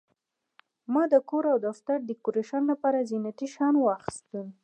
ما د کور او دفتر د ډیکوریشن لپاره زینتي شیان واخیستل.